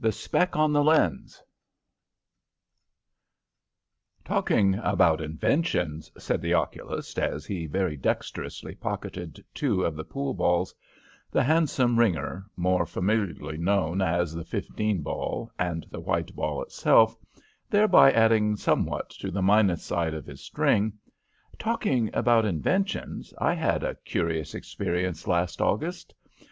THE SPECK ON THE LENS "Talking about inventions," said the oculist, as he very dexterously pocketed two of the pool balls, the handsome ringer, more familiarly known as the fifteen ball, and the white ball itself, thereby adding somewhat to the minus side of his string "talking about inventions, I had a curious experience last August.